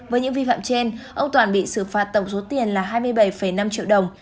với những vi phạm trên ông toàn bị xử phạt tổng số tiền là hai mươi bảy năm triệu đồng